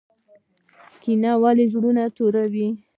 کینه ولې زړه توروي؟